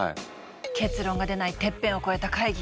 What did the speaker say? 結論が出ないテッペンを越えた会議。